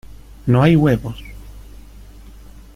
¡ no hay huevos!